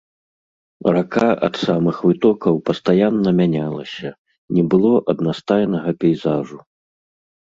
Рака ад самых вытокаў пастаянна мянялася, не было аднастайнага пейзажу.